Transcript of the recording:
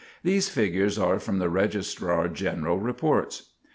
These figures are from the Registrar General Reports.